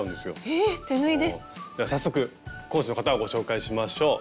え手縫いで⁉では早速講師の方をご紹介しましょう。